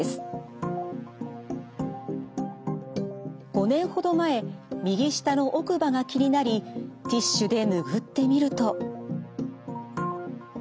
５年ほど前右下の奥歯が気になりティッシュで拭ってみると。